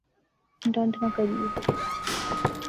ڈنڈ نہ کریئے